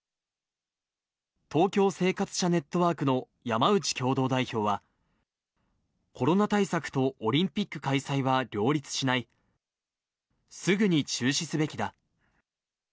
東京・生活者ネットワークの山内共同代表は、コロナ対策とオリンピック開催は両立しない、すぐに中止すべきだ。